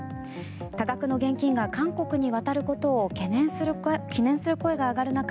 多額の現金が韓国に渡ることを懸念する声が上がる中